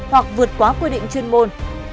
hoặc vượt quá quy định chuyên môn